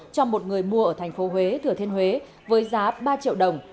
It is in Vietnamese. cho một người mua ở thành phố huế thừa thiên huế với giá ba triệu đồng